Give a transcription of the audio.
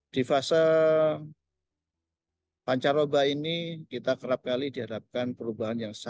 di fase pancar oba ini kita kerap kali dihadapkan perubahan yang sangat